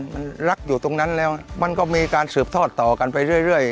มันรักอยู่ตรงนั้นแล้วมันก็มีการสืบทอดต่อกันไปเรื่อย